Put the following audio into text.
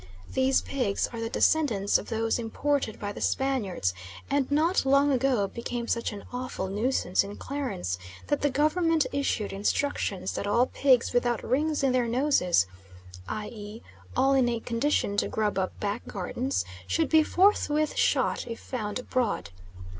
These pigs are the descendants of those imported by the Spaniards, and not long ago became such an awful nuisance in Clarence that the Government issued instructions that all pigs without rings in their noses i.e. all in a condition to grub up back gardens should be forthwith shot if found abroad.